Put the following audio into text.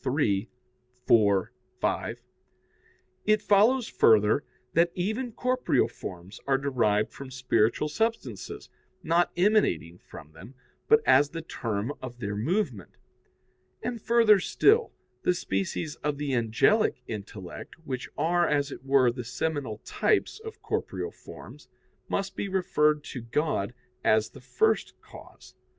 iii, 4, 5), it follows further that even corporeal forms are derived from spiritual substances, not emanating from them, but as the term of their movement. And, further still, the species of the angelic intellect, which are, as it were, the seminal types of corporeal forms, must be referred to God as the first cause.